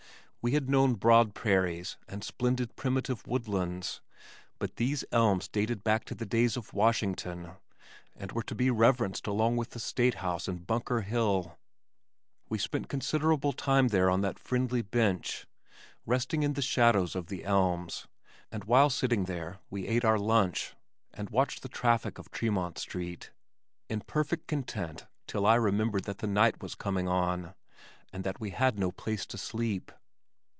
We had known broad prairies and splendid primitive woodlands but these elms dated back to the days of Washington, and were to be reverenced along with the State House and Bunker Hill. We spent considerable time there on that friendly bench, resting in the shadows of the elms, and while sitting there, we ate our lunch, and watched the traffic of Tremont Street, in perfect content till I remembered that the night was coming on, and that we had no place to sleep.